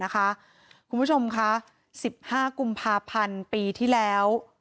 คุณผู้ชมคะ๑๕กุมภาพันธ์ปีที่แล้ว